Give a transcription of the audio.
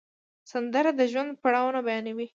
سندره د ژوند پړاوونه بیانوي